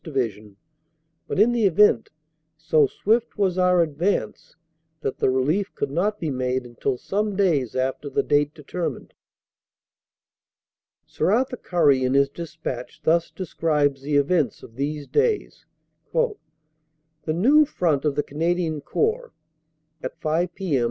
Division, but in the event, so swift was our advance that the relief could not be made until some days after the date determined. Sir Arthur Currie in his despatch thus describes the events of these days: "The new Front of the Canadian Corps (at 5 p.m.